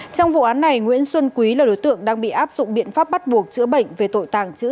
trong vụ án này nguyễn xuân quý là đối tượng đang bị áp dụng biện pháp bắt buộc chữa bệnh về tội tàng trữ